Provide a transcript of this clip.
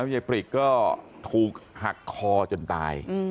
สวัสดีครับคุณผู้ชาย